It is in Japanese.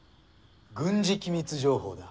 軍事機密情報だ。